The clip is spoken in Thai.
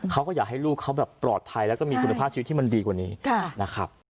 เขาก็อยากให้ลูกเขาแบบปลอดภัยแล้วก็มีคุณภาพชีวิตที่มันดีกว่านี้นะครับ